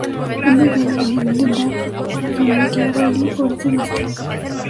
En vez de ello decidió intentar flanquear a Lee por el sudeste.